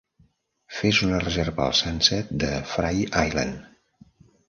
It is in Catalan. Fes una reserva al Sunset de Frye Island.